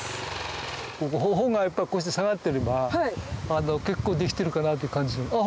穂がいっぱいこうして下がってれば結構できてるかなって感じするあっ